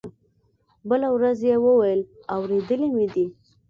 بله ورځ يې وويل اورېدلي مې دي.